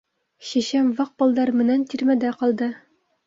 Шишәм ваҡ балдар менән тирмәдә ҡалды.